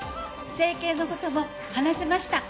整形のことも話せました。